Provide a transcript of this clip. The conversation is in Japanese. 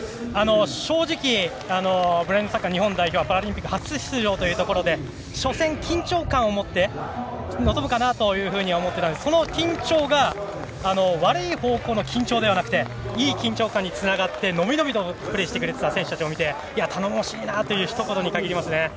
正直ブラインドサッカー日本代表はパラリンピック初出場というところで初戦、緊張感を持って臨むかなと思っていたんですがその緊張が悪い方向の緊張ではなくていい緊張感につながって伸び伸びとプレーしてくれた選手たちを見て頼もしいなというひと言に限りますね。